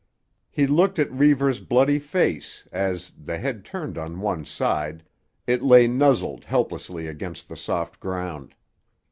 He looked at Reivers' bloody face as, the head turned on one side, it lay nuzzled helplessly against the soft ground.